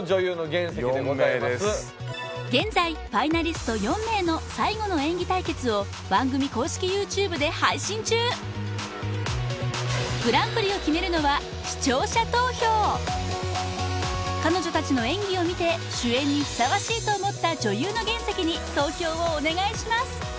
４名です現在ファイナリスト４名の最後の演技対決を番組公式ＹｏｕＴｕｂｅで配信中グランプリを決めるのは彼女たちの演技を見て主演にふさわしいと思った女優の原石に投票をお願いします